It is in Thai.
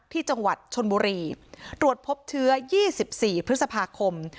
ที่จังหวัดชนบุรีตรวจพบเชื้อ๒๔พฤษภาคม